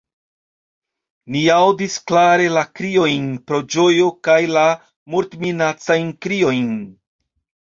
Ni aŭdis klare la kriojn pro ĝojo kaj la mortminacajn kriojn.